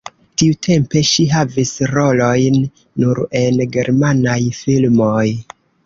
Tiutempe ŝi havis rolojn nur en germanaj filmoj.